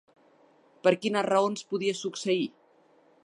Per quines raons podia succeir?